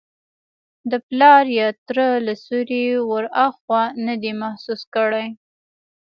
د پلار یا تره له سیوري وراخوا نه دی محسوس کړی.